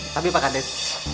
tapi pak hades